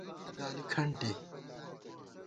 لِگالی کھنٹے